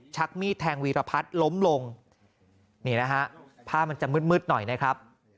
ชักมีดแทงวีรพัฒน์ล้มลงนี่นะฮะภาพมันจะมืดหน่อยนะครับ